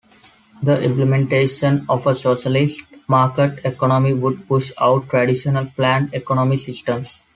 The implementation of a socialist market economy would push out traditional planned economy systems.